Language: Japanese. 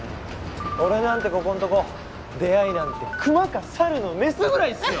俺なんてここのところ出会いなんて熊か猿のメスぐらいですよ！